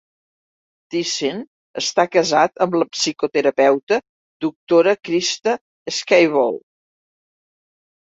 Theissen està casat amb la psicoterapeuta Dra. Christa Schaible.